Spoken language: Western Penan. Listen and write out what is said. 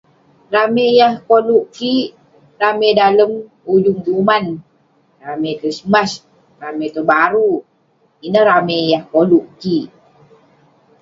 Ramey yah koluk kik, ramey dalem ujung duman ; ramey krismas, ramey tahun baru. Ineh ramey yah koluk kik.